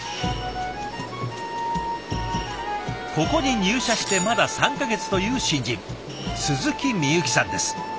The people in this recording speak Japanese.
ここに入社してまだ３か月という新人鈴木深友紀さんです。